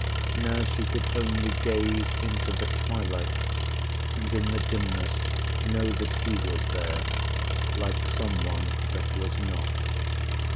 Now she could only gaze into the twilight, And in the dimness know that he was there, Like someone that was not.